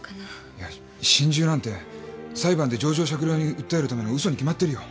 いや心中なんて裁判で情状酌量に訴えるための嘘に決まってるよ。